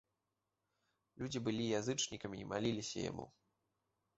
Людзі былі язычнікамі і маліліся яму.